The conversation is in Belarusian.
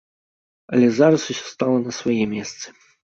Але зараз усё стала на свае месцы.